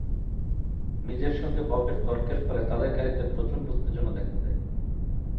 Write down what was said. মিজের সঙ্গে ববের তর্কের ফলে তাদের গাড়িতে প্রচণ্ড উত্তেজনা দেখা দেয়।